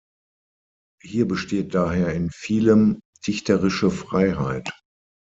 Hier besteht daher in vielem „dichterische Freiheit“.